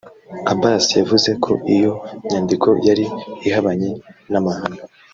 Abbasi yavuze ko iyo nyandiko yari “ihabanye n’amahame